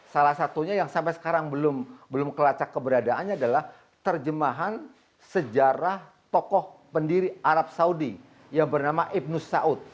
salah satunya yang sampai sekarang belum kelacak keberadaannya adalah terjemahan sejarah tokoh pendiri arab saudi yang bernama ibnus saud